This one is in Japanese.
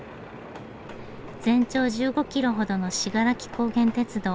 全長１５キロほどの信楽高原鐵道。